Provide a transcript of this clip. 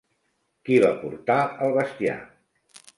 Qui va portar el bestiar?